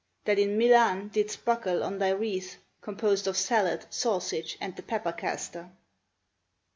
That in Milan didst buckle on thy wreath Composed of salad, sausage, and the pepper caster."